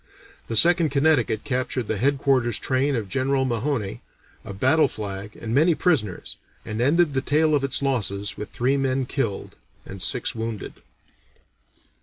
The Second Connecticut captured the headquarters train of General Mahone, a battle flag, and many prisoners, and ended the tale of its losses with three men killed and six wounded.